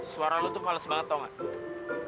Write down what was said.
suara lo tuh fales banget tau gak